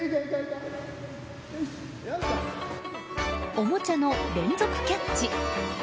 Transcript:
おもちゃの連続キャッチ。